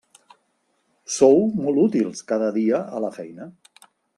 Sou molt útils cada dia a la feina!